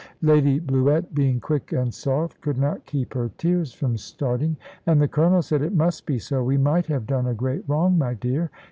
Lady Bluett, being quick and soft, could not keep her tears from starting; and the Colonel said, "It must be so. We might have done a great wrong, my dear.